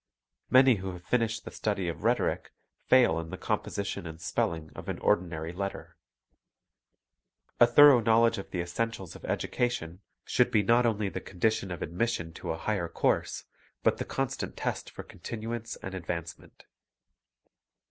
Many who have finished the study of rhetoric fail in the composition and spelling of an ordinary letter. A thorough knowledge of the essentials of educa tion should be not only the condition of admission to a higher course, but the constant test for continuance and advancement.